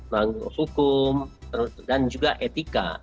menghukum dan juga etika